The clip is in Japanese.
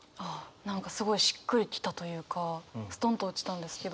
何かすごいしっくり来たというかストンと落ちたんですけど。